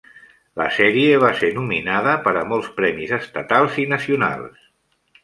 La sèrie va ser nominada per a molts premis estatals i nacionals.